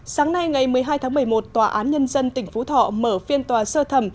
sáng nay ngày một mươi hai tháng một mươi một tòa án nhân dân tỉnh phú thọ mở phiên tòa sơ thẩm